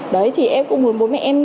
đấy thì em cũng muốn bố mẹ em